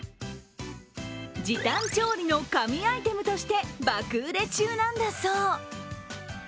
時短調理の神アイテムとして爆売れ中なんだそう。